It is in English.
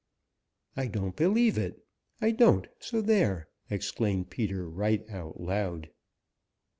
"I don't believe it! I don't, so there!" exclaimed Peter right out loud.